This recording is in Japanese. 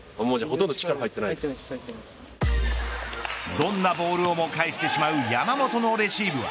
どんなボールをも返してしまう山本のレシーブは